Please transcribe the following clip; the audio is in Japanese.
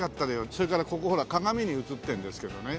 それからここほら鏡に映ってるんですけどね